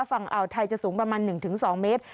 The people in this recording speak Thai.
ฝั่งอาวุธไทยจะสูงประมาณหนึ่งถึงสองเมตร